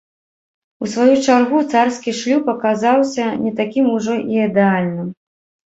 У сваю чаргу, царскі шлюб аказаўся не такім ужо і ідэальным.